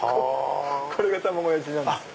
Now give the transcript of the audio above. これが卵焼きなんですよね。